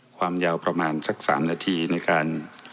ความยาวประมาณสัก๓นาทีในการ